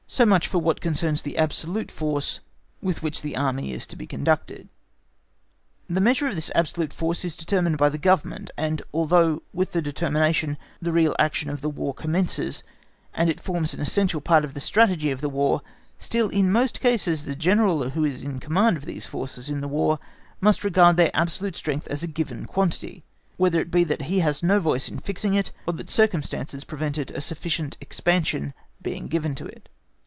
So much for what concerns the absolute force with which the War is to be conducted. The measure of this absolute force is determined by the Government; and although with this determination the real action of War commences, and it forms an essential part of the Strategy of the War, still in most cases the General who is to command these forces in the War must regard their absolute strength as a given quantity, whether it be that he has had no voice in fixing it, or that circumstances prevented a sufficient expansion being given to it.